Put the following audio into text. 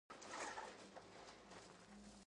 کچالو د ناروغو خلکو لپاره نرم خواړه دي